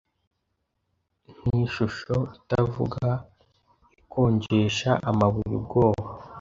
Nkishusho itavuga ikonjesha amabuye ubwoba